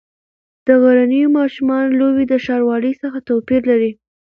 د غرنیو ماشومانو لوبې د ښاروالۍ څخه توپیر لري.